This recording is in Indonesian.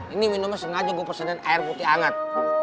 ini minuman sengaja gue pesanin air putih hangat